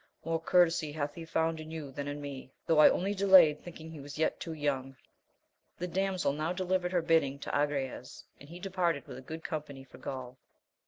More courtesy hath he found in you than in me ; though I only delayed, thinking he was yet too young. The damsel now delivered her bidding to Agrayes, and he departed with a good company for Cjr«o\.